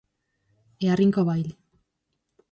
E arrinca o baile.